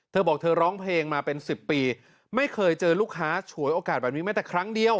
เธอบอกเธอร้องเพลงมาเป็น๑๐ปีไม่เคยเจอลูกค้าฉวยโอกาสแบบนี้แม้แต่ครั้งเดียว